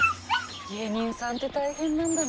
芸人さんって大変なんだね。